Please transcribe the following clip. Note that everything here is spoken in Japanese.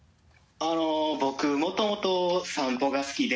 僕もともと散歩が好きで。